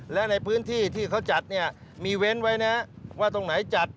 และในพื้นที่ที่เขาจัดเนี่ยมีเว้นไว้นะว่าตรงไหนจัด